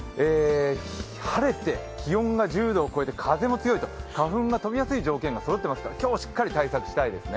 晴れて気温が１０度を超えて風も強い、花粉が飛びやすい条件がそろっていますから今日はしっかり対策したいですね。